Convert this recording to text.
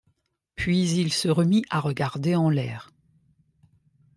Puis il se remit à regarder en l’air.